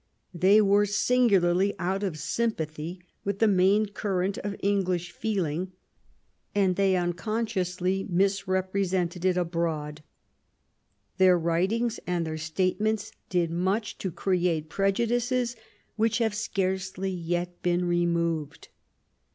They were singularly out of sympathy with the main current of English feeling, and they unconsciously misrepre sented it abroad. Their writings and their state ments did much to create prejudices which have scarcely yet been removed.